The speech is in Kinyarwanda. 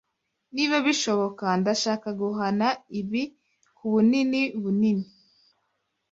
Niba bishoboka, ndashaka guhana ibi kubunini bunini.